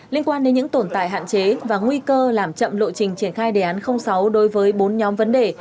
liên quan đến những tồn tại hạn chế và nguy cơ làm chậm lộ trình triển khai đề án sáu đối với bốn nhóm vấn đề